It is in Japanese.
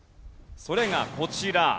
それがこちら。